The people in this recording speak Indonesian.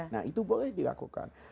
nah itu boleh dilakukan